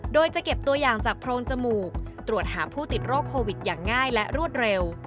โดยจะเก็บตัวอย่างจากโพรงจมูกตรวจหาผู้ติดโรคโควิดอย่างง่ายและรวดเร็ว